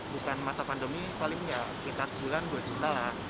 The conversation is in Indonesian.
bukan masa pandemi paling ya sekitar sebulan dua juta lah